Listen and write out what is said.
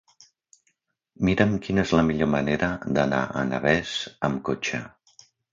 Mira'm quina és la millor manera d'anar a Navès amb cotxe.